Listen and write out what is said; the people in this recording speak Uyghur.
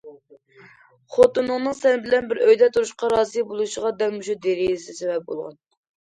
خوتۇنۇڭنىڭ سەن بىلەن بىر ئۆيدە تۇرۇشقا رازى بولۇشىغا دەل مۇشۇ دېرىزە سەۋەب بولغان.